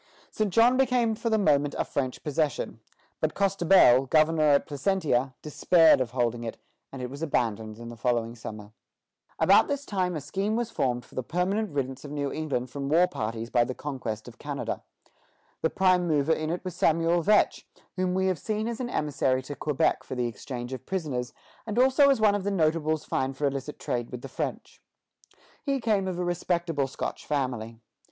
St. John became for the moment a French possession; but Costebelle, governor at Placentia, despaired of holding it, and it was abandoned in the following summer. About this time a scheme was formed for the permanent riddance of New England from war parties by the conquest of Canada. The prime mover in it was Samuel Vetch, whom we have seen as an emissary to Quebec for the exchange of prisoners, and also as one of the notables fined for illicit trade with the French. He came of a respectable Scotch family.